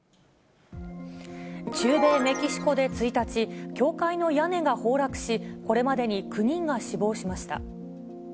中米メキシコで１日、教会の屋根が崩落し、これまでに９人が死亡しました。